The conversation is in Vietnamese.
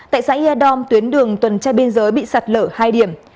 tại xã ia đom tuyến đường tuần trai biên giới bị sạt lở hai điểm